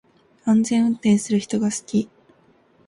安全運転する人が好き